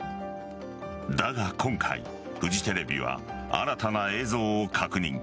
だが、今回フジテレビは新たな映像を確認。